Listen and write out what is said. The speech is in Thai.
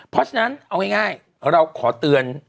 เพราะฉะนั้นเอาง่ายเราขอเตือน